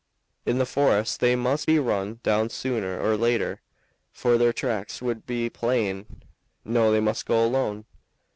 In the forest they must be run down sooner or later, for their tracks would be plain. No, they must go alone."